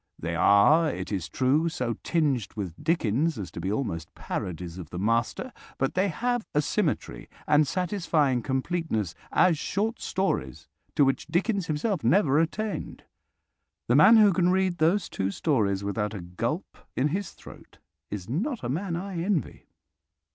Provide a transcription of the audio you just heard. They are, it is true, so tinged with Dickens as to be almost parodies of the master, but they have a symmetry and satisfying completeness as short stories to which Dickens himself never attained. The man who can read those two stories without a gulp in the throat is not a man I envy.